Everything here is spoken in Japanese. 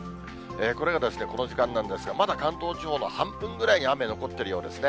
これがですね、この時間なんですが、まだ関東地方の半分ぐらいに雨残ってるようですね。